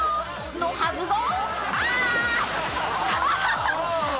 ［のはずが］